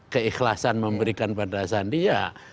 keikhlasan memberikan pada sandi ya